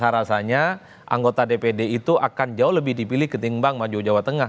rasanya anggota dpd itu akan jauh lebih dipilih ketimbang maju jawa tengah